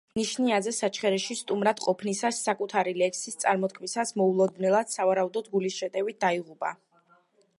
ნიშნიანიძე საჩხერეში სტუმრად ყოფნისას საკუთარი ლექსის წარმოთქმისას მოულოდნელად, სავარაუდოდ, გულის შეტევით დაიღუპა.